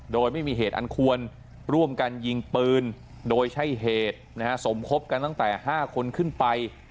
โดยไม่มีเหตุอันควรร่วมกันยิงปืนโดยใช้เหตุสมคบกันตั้งแต่๕คนขึ้นไป